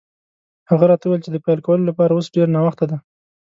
هغه راته وویل چې د پیل کولو لپاره اوس ډېر ناوخته دی.